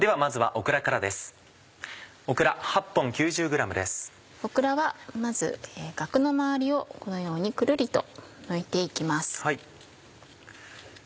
オクラはまずガクの周りをこのようにくるりとむいて行きます。